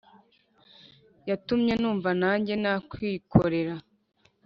Yatumye numva najye nakwikorera